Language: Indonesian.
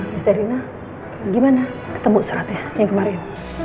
mas erina gimana ketemu suratnya yang kemarin